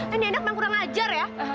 eh nenek emang kurang ajar ya